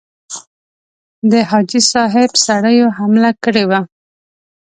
د حاجي صاحب سړیو حمله کړې وه.